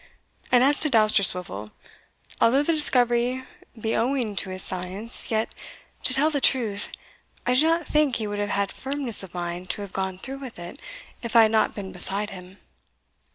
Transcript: And as to Dousterswivel, although the discovery be owing to his science, yet, to tell the truth, I do not think he would have had firmness of mind to have gone through with it if I had not been beside him."